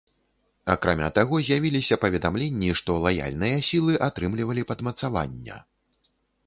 Акрамя таго, з'явіліся паведамленні, што лаяльныя сілы атрымлівалі падмацавання.